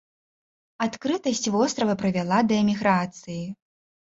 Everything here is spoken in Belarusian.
Адкрытасць вострава прывяла да эміграцыі.